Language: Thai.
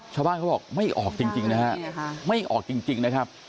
เขาบอกไม่ออกจริงนะฮะไม่ออกจริงนะครับ